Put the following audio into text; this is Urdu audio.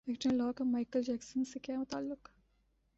ایکٹر ان لا کا مائیکل جیکسن سے کیا تعلق